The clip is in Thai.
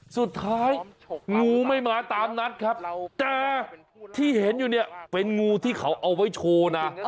สุดท้ายงูไม่มาตามนัดครับแต่ที่เห็นอยู่เนี่ยเป็นงูที่เขาเอาไว้โชว์นะ